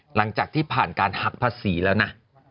หลังจากที่ผ่านการหักภาษีแล้วนะ